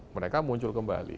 mereka muncul kembali